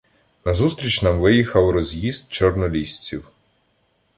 Назустріч нам виїхав роз'їзд чорнолісців.